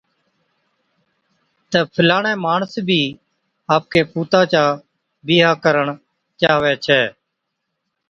تہ فلاڻي ماڻس ڀِي آپڪي پُوتا چا بِيھا ڪرڻ چاھَوي ڇَي